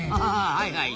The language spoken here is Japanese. はいはい。